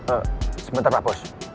eh sebentar pak bos